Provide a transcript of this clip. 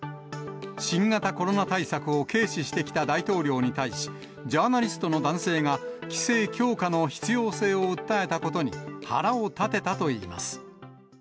新型コロナ対策を軽視してきた大統領に対し、ジャーナリストの男性が規制強化の必要性を訴えたことに腹を立てたといいます。